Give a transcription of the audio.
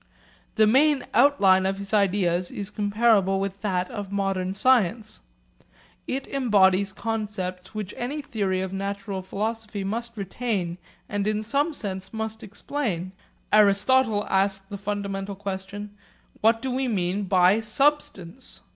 The main outline of his ideas is comparable with that of modern science. It embodies concepts which any theory of natural philosophy must retain and in some sense must explain. Aristotle asked the fundamental question, What do we mean by 'substance'?